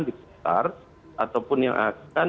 dikejar ataupun yang akan